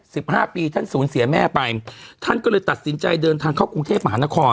สิบห้าปีท่านศูนย์เสียแม่ไปท่านก็เลยตัดสินใจเดินทางเข้ากรุงเทพมหานคร